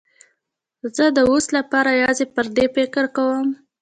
زه د اوس لپاره یوازې پر دې فکر کوم.